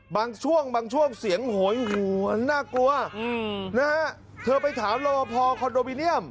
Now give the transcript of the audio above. บางช่วงบางช่วงเสียงโหยหวนน่ากลัวนะฮะเธอไปถามรอบพอคอนโดมิเนียม